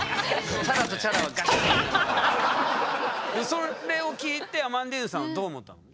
それを聞いてアマンディーヌさんはどう思ったの？